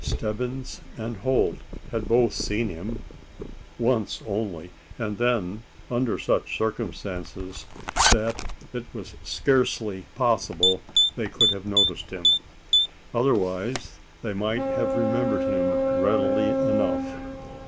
Stebbins and Holt had both seen him once only, and then under such circumstances that it was scarcely possible they could have noticed him. Otherwise, they might have remembered him readily enough.